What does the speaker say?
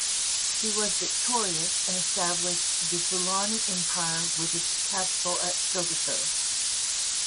He was victorious, and established the Fulani Empire with its capital at Sokoto.